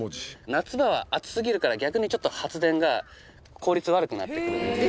夏場は暑すぎるから逆に発電が効率悪くなってくるんですよ。